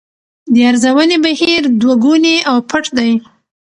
د ارزونې بهیر دوه ګونی او پټ دی.